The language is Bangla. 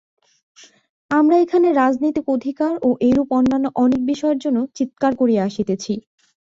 আমরা এখানে রাজনীতিক অধিকার ও এইরূপ অন্যান্য অনেক বিষয়ের জন্য চীৎকার করিয়া আসিতেছি।